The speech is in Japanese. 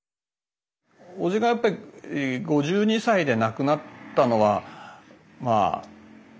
叔父がやっぱり５２歳で亡くなったのはまあ